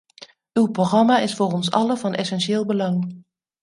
Uw programma is voor ons allen van essentieel belang.